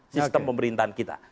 sistem pemerintahan kita